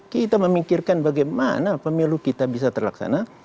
kita memikirkan bagaimana pemilu kita bisa terlaksana